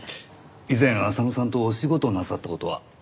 以前浅野さんとお仕事なさった事は？